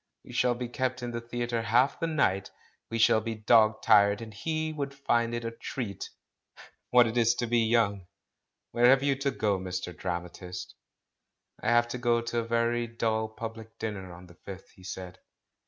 "We shall be kept in the theatre half the night — we shall be dog tired — and he would find it a 'treat'! What it is to be young! Where have you to go, Mr. Dramatist?" "I have to go to a very dull public dinner on the 5th," he said.